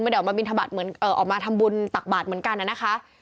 ได้ออกมาบินทบาทเหมือนออกมาทำบุญตักบาทเหมือนกันนะคะ